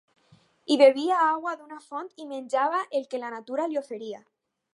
Hi bevia aigua d'una font i menjava el que la natura li oferia.